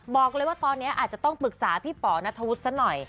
บอกเลยว่าตอนนี้อาจจะต้องปรึกษาพี่ป๋อนัทธวุฒิซะหน่อย